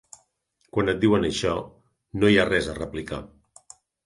Quan et diuen això, no hi ha res a replicar.